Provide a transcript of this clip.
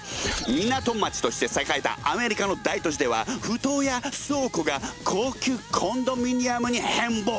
港町として栄えたアメリカの大都市では埠頭や倉庫が高級コンドミニアムに変貌。